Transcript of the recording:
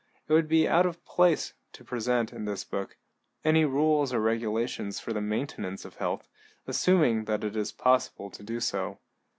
It would be out of place to present, in this book, any rules or regulations for the maintenance of health, assuming that it is possible to do so.